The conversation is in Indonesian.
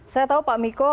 saya tahu pak miko